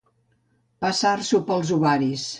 Passar-s'ho pels ovaris.